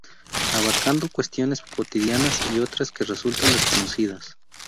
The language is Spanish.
Abarcando cuestiones cotidianas y otras que resultan desconocidas.